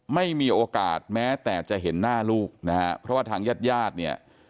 ไม่มีโอกาสแม้แต่จะเห็นหน้าลูกนะฮะเพราะว่าทางญาติญาติเนี่ย